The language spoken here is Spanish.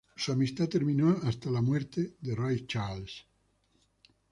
Su amistad terminó hasta la muerte de Ray Charles.